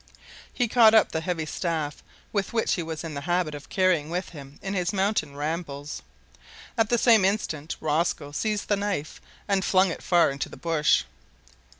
He caught up the heavy staff which he was in the habit of carrying with him in his mountain rambles. At the same instant Rosco seized the knife and flung it far into the bush.